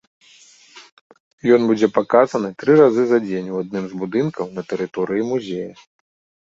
Ён будзе паказаны тры разы за дзень у адным з будынкаў на тэрыторыі музея.